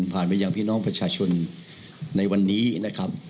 ผ่านไปยังพี่น้องประชาชนในวันนี้นะครับ